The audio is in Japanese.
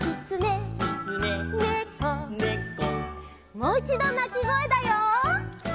もういちどなきごえだよ。